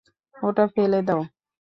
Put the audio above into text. ওটা ফেলে দাও।